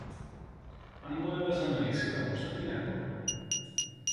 Αν μου έβαζαν αλυσίδα, πως θα την έκοβα;